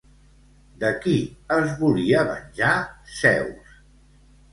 De qui es volia venjar Zeus?